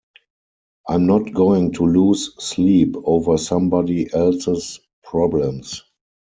I'm not going to lose sleep over somebody else's problems.